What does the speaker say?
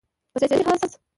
په سیاسي لحاظ